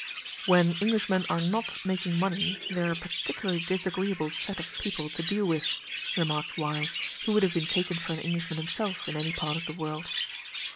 "When Englishmen are not making money, they are a particularly disagreeable set of people to deal with," remarked Y, who would have been taken for an Englishman himself in any part of the world.